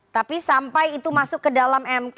tapi sampai itu masuk ke dalam mk